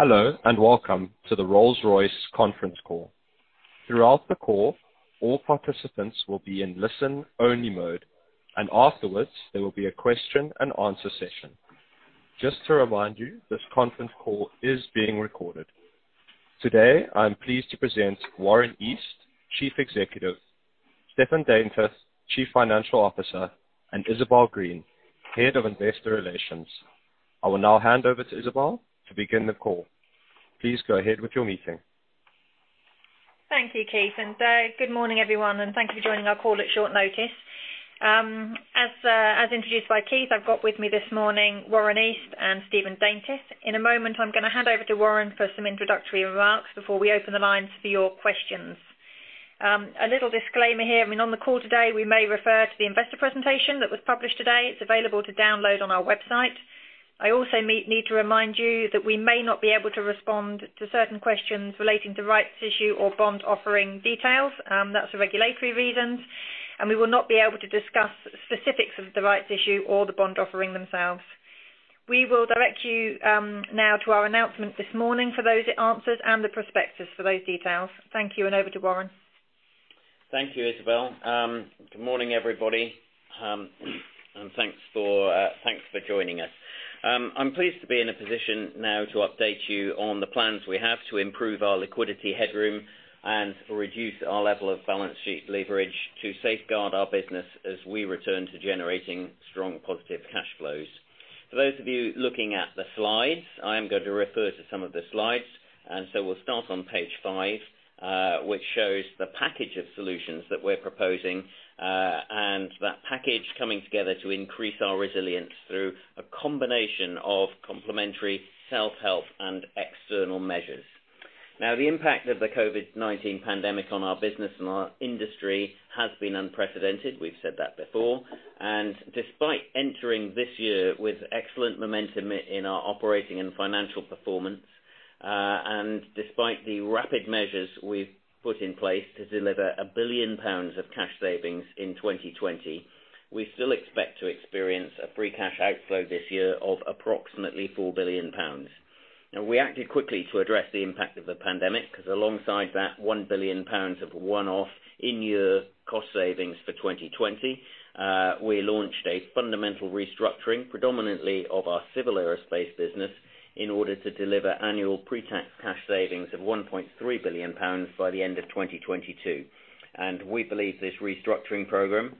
Hello, and welcome to the Rolls-Royce conference call. Throughout the call, all participants will be in listen-only mode, and afterwards, there will be a question and answer session. Just to remind you, this conference call is being recorded. Today, I am pleased to present Warren East, Chief Executive, Stephen Daintith, Chief Financial Officer, and Isabel Green, Head of Investor Relations. I will now hand over to Isabel to begin the call. Thank you, Keith. Good morning, everyone, and thank you for joining our call at short notice. As introduced by Keith, I've got with me this morning Warren East and Stephen Daintith. In a moment, I'm going to hand over to Warren for some introductory remarks before we open the lines for your questions. A little disclaimer here. On the call today, we may refer to the investor presentation that was published today. It's available to download on our website. I also need to remind you that we may not be able to respond to certain questions relating to rights issue or bond offering details. That's for regulatory reasons, and we will not be able to discuss specifics of the rights issue or the bond offering themselves. We will direct you now to our announcement this morning for those answers and the prospectus for those details. Thank you, and over to Warren. Thank you, Isabel. Good morning, everybody. Thanks for joining us. I'm pleased to be in a position now to update you on the plans we have to improve our liquidity headroom and reduce our level of balance sheet leverage to safeguard our business as we return to generating strong positive cash flows. For those of you looking at the slides, I am going to refer to some of the slides, we'll start on page five, which shows the package of solutions that we're proposing, that package coming together to increase our resilience through a combination of complementary self-help and external measures. The impact of the COVID-19 pandemic on our business and our industry has been unprecedented. We've said that before. Despite entering this year with excellent momentum in our operating and financial performance, and despite the rapid measures we've put in place to deliver 1 billion pounds of cash savings in 2020, we still expect to experience a free cash outflow this year of approximately 4 billion pounds. We acted quickly to address the impact of the pandemic, because alongside that 1 billion pounds of one-off in-year cost savings for 2020, we launched a fundamental restructuring, predominantly of our Civil Aerospace business, in order to deliver annual pre-tax cash savings of 1.3 billion pounds by the end of 2022. We believe this restructuring program,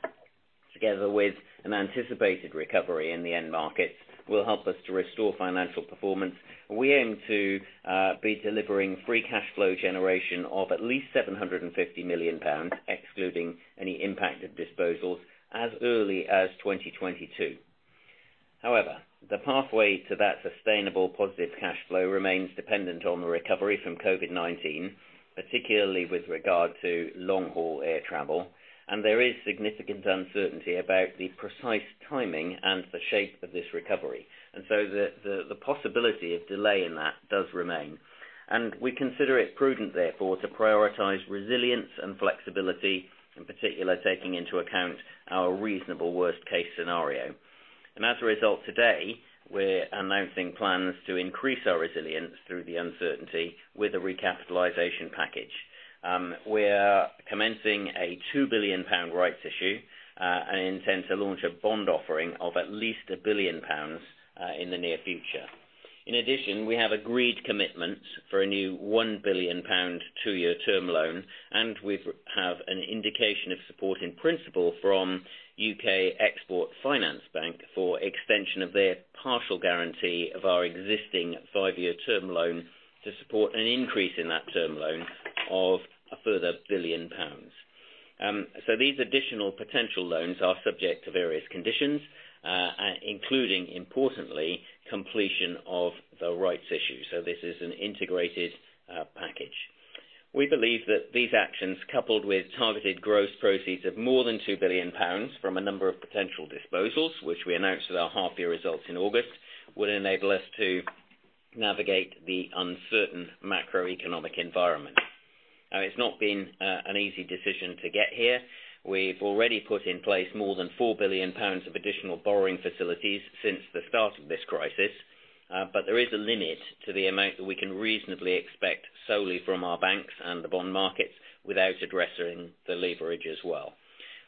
together with an anticipated recovery in the end markets, will help us to restore financial performance. We aim to be delivering free cash flow generation of at least 750 million pounds, excluding any impact of disposals, as early as 2022. However, the pathway to that sustainable positive cash flow remains dependent on a recovery from COVID-19, particularly with regard to long-haul air travel, and there is significant uncertainty about the precise timing and the shape of this recovery. The possibility of delay in that does remain. We consider it prudent, therefore, to prioritize resilience and flexibility, in particular, taking into account our reasonable worst-case scenario. As a result, today, we're announcing plans to increase our resilience through the uncertainty with a recapitalization package. We're commencing a GBP 2 billion rights issue, and intend to launch a bond offering of at least 1 billion pounds in the near future. In addition, we have agreed commitments for a new GBP 1 billion two-year term loan, and we have an indication of support in principle from U.K. Export Finance bank for extension of their partial guarantee of our existing five-year term loan to support an increase in that term loan of a further 1 billion pounds. These additional potential loans are subject to various conditions, including, importantly, completion of the rights issue, so this is an integrated package. We believe that these actions, coupled with targeted gross proceeds of more than 2 billion pounds from a number of potential disposals, which we announced at our half-year results in August, will enable us to navigate the uncertain macroeconomic environment. It's not been an easy decision to get here. We've already put in place more than 4 billion pounds of additional borrowing facilities since the start of this crisis. There is a limit to the amount that we can reasonably expect solely from our banks and the bond markets without addressing the leverage as well.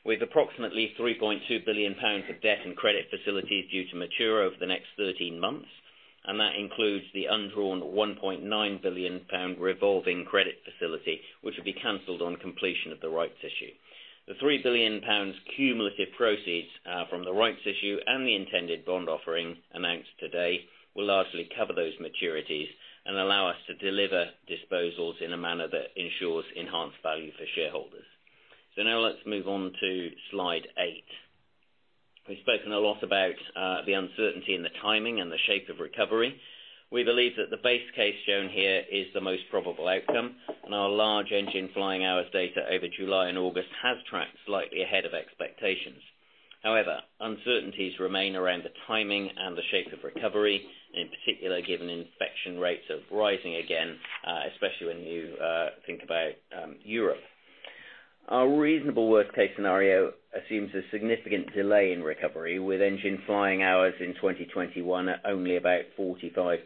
With approximately 3.2 billion pounds of debt and credit facilities due to mature over the next 13 months, and that includes the undrawn 1.9 billion pound revolving credit facility, which will be canceled on completion of the rights issue. The 3 billion pounds cumulative proceeds from the rights issue and the intended bond offering announced today will largely cover those maturities and allow us to deliver disposals in a manner that ensures enhanced value for shareholders. Now let's move on to slide eight. We've spoken a lot about the uncertainty and the timing and the shape of recovery. We believe that the base case shown here is the most probable outcome, and our large engine flying hours data over July and August has tracked slightly ahead of expectations. However, uncertainties remain around the timing and the shape of recovery, in particular, given infection rates are rising again, especially when you think about Europe. Our reasonable worst case scenario assumes a significant delay in recovery, with engine flying hours in 2021 at only about 45%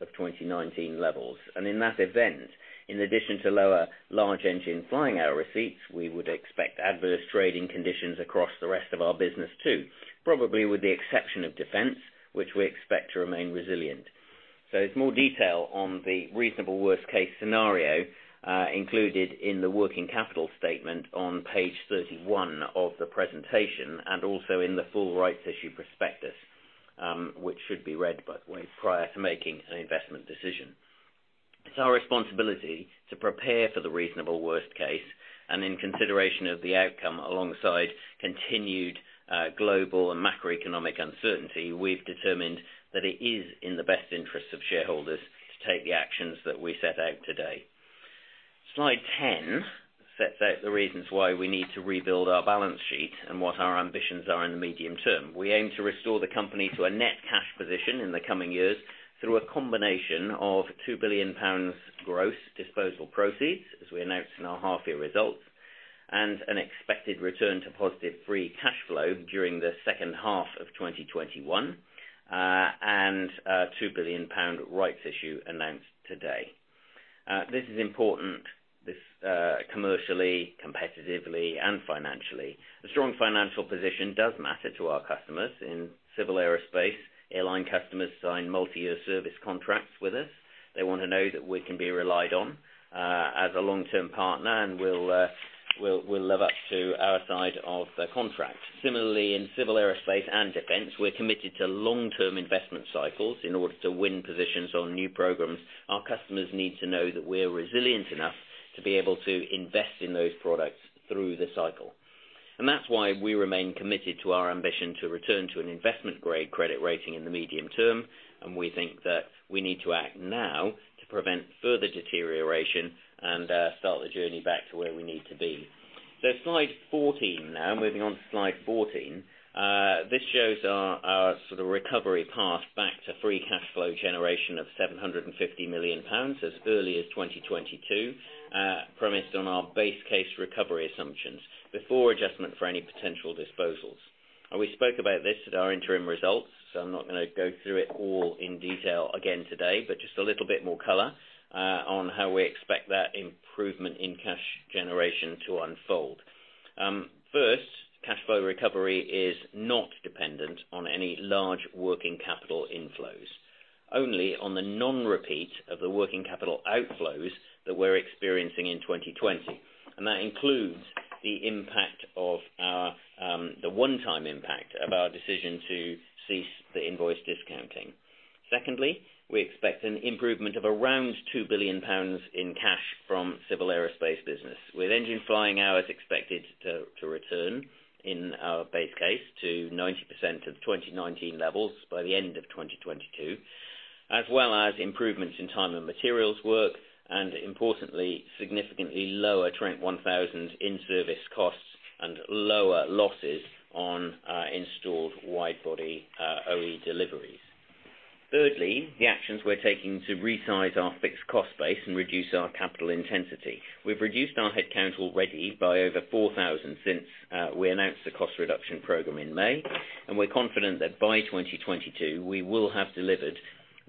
of 2019 levels. In that event, in addition to lower large engine flying hour receipts, we would expect adverse trading conditions across the rest of our business too, probably with the exception of Defence, which we expect to remain resilient. There's more detail on the reasonable worst case scenario, included in the working capital statement on page 31 of the presentation, and also in the full rights issue prospectus, which should be read, by the way, prior to making an investment decision. It's our responsibility to prepare for the reasonable worst case, and in consideration of the outcome alongside continued global and macroeconomic uncertainty, we've determined that it is in the best interest of shareholders to take the actions that we set out today. Slide 10 sets out the reasons why we need to rebuild our balance sheet and what our ambitions are in the medium term. We aim to restore the company to a net cash position in the coming years through a combination of 2 billion pounds gross disposal proceeds as we announced in our half year results, an expected return to positive free cash flow during the second half of 2021, and a 2 billion pound rights issue announced today. This is important, commercially, competitively, and financially. A strong financial position does matter to our customers in Civil Aerospace. Airline customers sign multi-year service contracts with us. They want to know that we can be relied on as a long-term partner, and we'll live up to our side of the contract. Similarly, in Civil Aerospace and Defence, we're committed to long-term investment cycles. In order to win positions on new programs, our customers need to know that we're resilient enough to be able to invest in those products through the cycle. That's why we remain committed to our ambition to return to an investment-grade credit rating in the medium term. We think that we need to act now to prevent further deterioration and start the journey back to where we need to be. Slide 14 now. Moving on to slide 14. This shows our sort of recovery path back to free cash flow generation of 750 million pounds as early as 2022, premised on our base case recovery assumptions before adjustment for any potential disposals. We spoke about this at our interim results, so I'm not going to go through it all in detail again today, but just a little bit more color on how we expect that improvement in cash generation to unfold. First, cash flow recovery is not dependent on any large working capital inflows, only on the non-repeat of the working capital outflows that we're experiencing in 2020. That includes the one-time impact of our decision to cease the invoice discounting. Secondly, we expect an improvement of around 2 billion pounds in cash from Civil Aerospace business, with engine flying hours expected to return in our base case to 90% of 2019 levels by the end of 2022, as well as improvements in time and materials work, importantly, significantly lower Trent 1000 in-service costs and lower losses on installed wide-body OE deliveries. Thirdly, the actions we're taking to resize our fixed cost base and reduce our capital intensity. We've reduced our headcount already by over 4,000 since we announced the cost reduction program in May. We're confident that by 2022 we will have delivered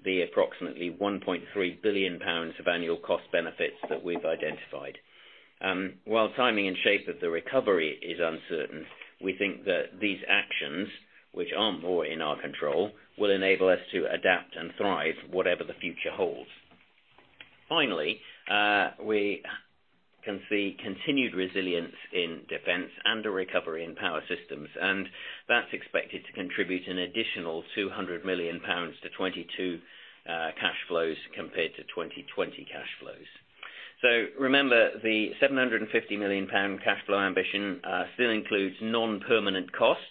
the approximately 1.3 billion pounds of annual cost benefits that we've identified. While timing and shape of the recovery is uncertain, we think that these actions, which are more in our control, will enable us to adapt and thrive whatever the future holds. Finally, we can see continued resilience in Defence and a recovery in Power Systems, and that's expected to contribute an additional 200 million pounds to 2022 cash flows compared to 2020 cash flows. Remember, the 750 million pound cash flow ambition still includes non-permanent costs.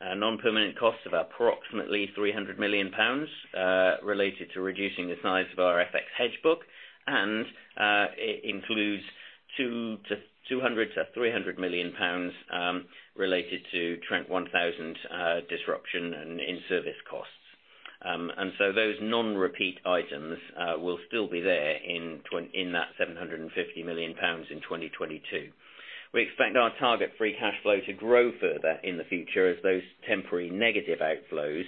Non-permanent costs of approximately 300 million pounds, related to reducing the size of our FX hedge book and, it includes 200 million-300 million pounds, related to Trent 1000 disruption and in-service costs. Those non-repeat items will still be there in that 750 million pounds in 2022. We expect our target free cash flow to grow further in the future as those temporary negative outflows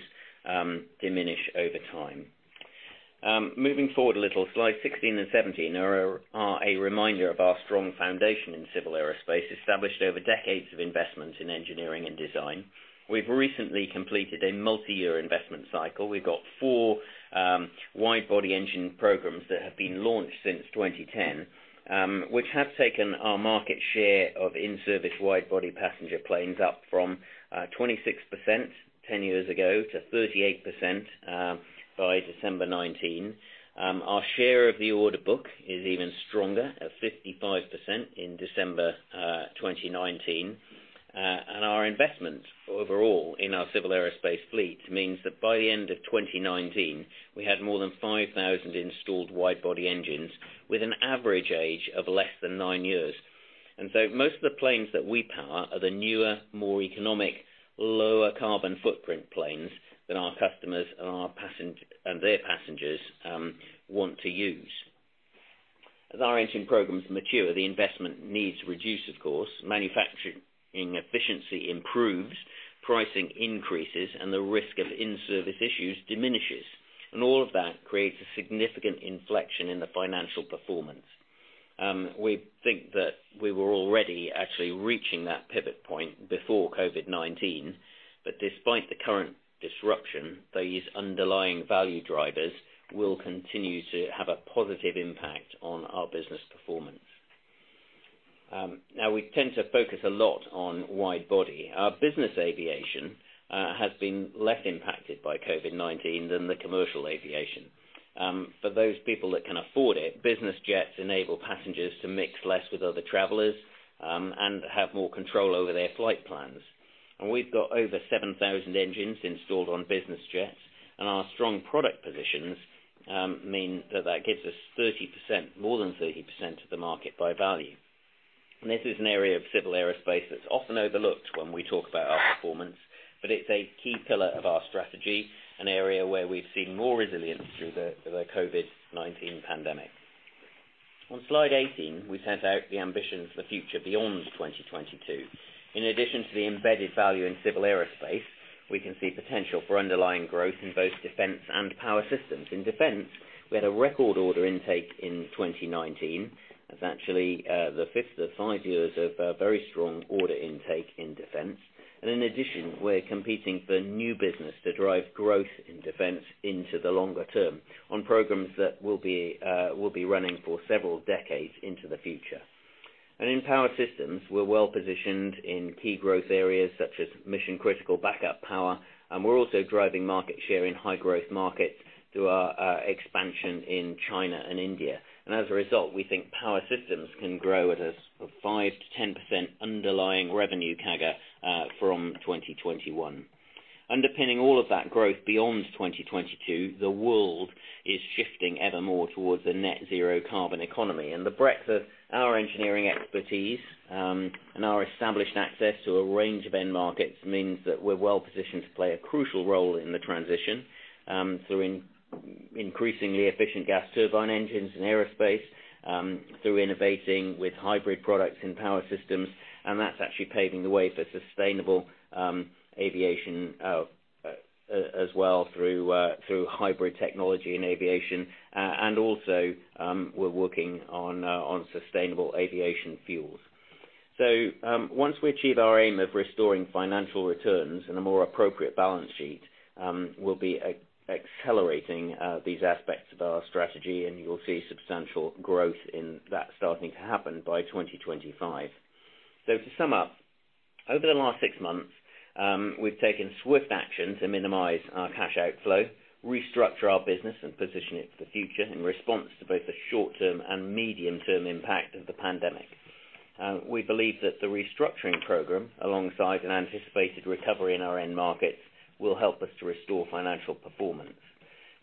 diminish over time. Moving forward a little. Slide 16 and 17 are a reminder of our strong foundation in Civil Aerospace established over decades of investment in engineering and design. We've recently completed a multi-year investment cycle. We've got four wide-body engine programs that have been launched since 2010, which have taken our market share of in-service wide-body passenger planes up from 26% 10 years ago to 38% by December 2019. Our share of the order book is even stronger at 55% in December 2019. Our investment overall in our Civil Aerospace fleet means that by the end of 2019, we had more than 5,000 installed wide-body engines with an average age of less than nine years. Most of the planes that we power are the newer, more economic, lower carbon footprint planes than our customers and their passengers want to use. As our engine programs mature, the investment needs reduce, of course. Manufacturing efficiency improves, pricing increases, and the risk of in-service issues diminishes. All of that creates a significant inflection in the financial performance. We think that we were already actually reaching that pivot point before COVID-19, but despite the current disruption, these underlying value drivers will continue to have a positive impact on our business performance. We tend to focus a lot on wide-body, our business aviation has been less impacted by COVID-19 than the commercial aviation. For those people that can afford it, business jets enable passengers to mix less with other travelers, and have more control over their flight plans. We've got over 7,000 engines installed on business jets, and our strong product positions mean that that gives us more than 30% of the market by value. This is an area of Civil Aerospace that's often overlooked when we talk about our performance, but it's a key pillar of our strategy, an area where we've seen more resilience through the COVID-19 pandemic. On slide 18, we set out the ambition for the future beyond 2022. In addition to the embedded value in Civil Aerospace, we can see potential for underlying growth in both Defence and Power Systems. In Defence, we had a record order intake in 2019. That's actually the fifth of five years of very strong order intake in Defence. In addition, we're competing for new business to drive growth in Defence into the longer term on programs that will be running for several decades into the future. In Power Systems, we're well-positioned in key growth areas such as mission-critical backup power, and we're also driving market share in high growth markets through our expansion in China and India. As a result, we think Power Systems can grow at a 5%-10% underlying revenue CAGR from 2021. Underpinning all of that growth beyond 2022, the world is shifting ever more towards a net-zero carbon economy. The breadth of our engineering expertise, and our established access to a range of end markets means that we're well positioned to play a crucial role in the transition, through increasingly efficient gas turbine engines in aerospace, through innovating with hybrid products and power systems. That's actually paving the way for sustainable aviation, as well through hybrid technology and aviation. Also, we're working on sustainable aviation fuels. Once we achieve our aim of restoring financial returns and a more appropriate balance sheet, we'll be accelerating these aspects of our strategy, and you will see substantial growth in that starting to happen by 2025. To sum up, over the last six months, we've taken swift action to minimize our cash outflow, restructure our business, and position it for the future in response to both the short-term and medium-term impact of the pandemic. We believe that the restructuring program, alongside an anticipated recovery in our end markets, will help us to restore financial performance,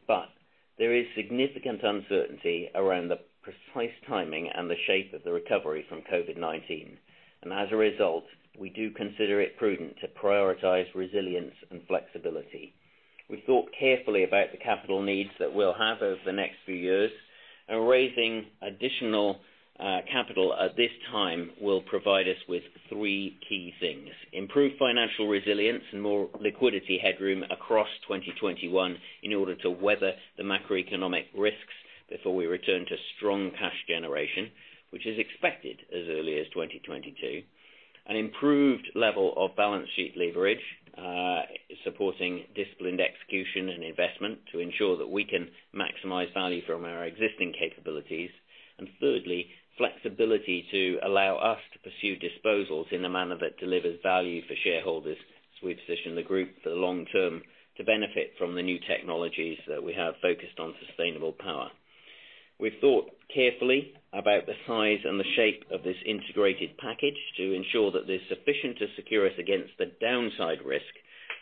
but there is significant uncertainty around the precise timing and the shape of the recovery from COVID-19. As a result, we do consider it prudent to prioritize resilience and flexibility. We thought carefully about the capital needs that we'll have over the next few years, and raising additional capital at this time will provide us with three key things. Improved financial resilience and more liquidity headroom across 2021 in order to weather the macroeconomic risks before we return to strong cash generation, which is expected as early as 2022. An improved level of balance sheet leverage, supporting disciplined execution and investment to ensure that we can maximize value from our existing capabilities. Thirdly, flexibility to allow us to pursue disposals in a manner that delivers value for shareholders as we position the group for the long term to benefit from the new technologies that we have focused on sustainable power. We've thought carefully about the size and the shape of this integrated package to ensure that they're sufficient to secure us against the downside risk,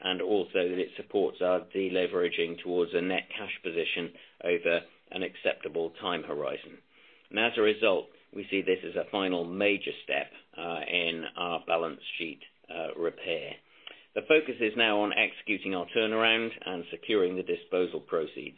and also that it supports our deleveraging towards a net cash position over an acceptable time horizon. As a result, we see this as a final major step in our balance sheet repair. The focus is now on executing our turnaround and securing the disposal proceeds.